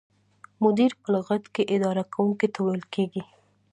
مدیر په لغت کې اداره کوونکي ته ویل کیږي.